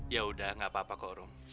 yaudah gak apa apa kok rum